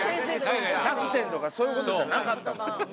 １００点とかそういうことじゃなかったもん。